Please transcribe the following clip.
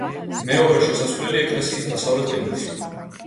მეორე შესასვლელი ეკლესიის დასავლეთ კედელშია.